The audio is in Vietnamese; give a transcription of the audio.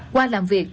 qua làm việc